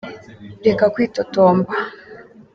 Reka kwitotomba.